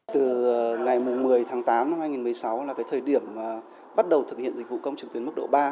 từ ngày một mươi tháng tám năm hai nghìn một mươi sáu là cái thời điểm bắt đầu thực hiện dịch vụ công trực tuyến mức độ ba